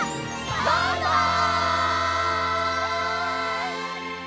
バイバイ！